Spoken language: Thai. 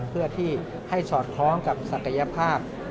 เพื่อที่ให้สอดคล้องกับศักยภาพ